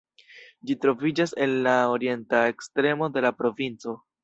Ĝi troviĝas en la orienta ekstremo de la provinco.